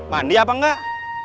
mandi apa enggak